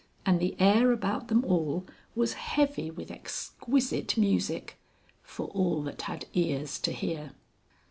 And the air about them all was heavy with exquisite music for all that had ears to hear.